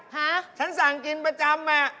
ฮะฉันสั่งกินประจำอ่ะ